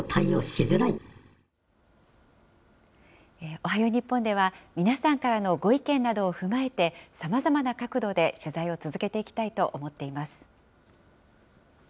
おはよう日本では、皆さんからのご意見などを踏まえて、さまざまな角度で取材を続けていきたいと思っています。